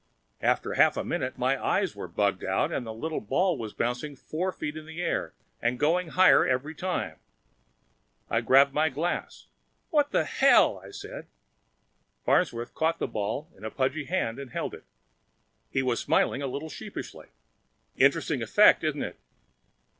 After a half minute, my eyes were bugging out and the little ball was bouncing four feet in the air and going higher each time. I grabbed my glass. "What the hell!" I said. Farnsworth caught the ball in a pudgy hand and held it. He was smiling a little sheepishly. "Interesting effect, isn't it?"